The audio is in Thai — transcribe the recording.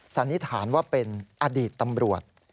สันนิษฐานว่าเป็นอดีตตำรวจ